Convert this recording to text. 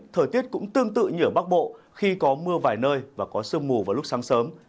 thời tiết cũng tương tự như ở bắc bộ khi có mưa vài nơi và có sương mù vào lúc sáng sớm